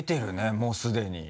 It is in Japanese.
もうすでに。